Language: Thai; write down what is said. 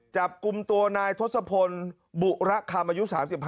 จับกลุ่มตัวนายทศพลบุระคำอายุ๓๕